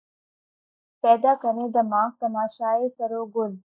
پیدا کریں دماغ تماشائے سَرو و گل